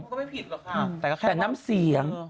ก็ไม่ผิดหรอกค่ะแต่น้ำเสียง